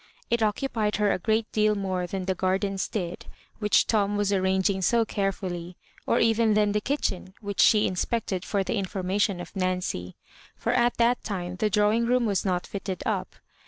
It occupied her a great deal more than the gardens did, which Tom was arranging so carefully, or even than the kitchen, which she inspected for the information of Nancy; for at that time the drawing room was not fitted up.